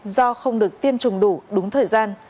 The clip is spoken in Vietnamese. do không được tiêm chủng đủ đúng thời gian